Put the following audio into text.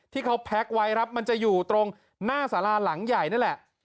ที่เขาแพ็คไว้ครับมันจะอยู่ตรงหน้าสาราหลังใหญ่นั่นแหละ